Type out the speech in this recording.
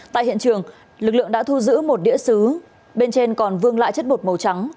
tại hiện trường lực lượng đã thu giữ một đĩa xứ bên trên còn vương lại chất bột màu trắng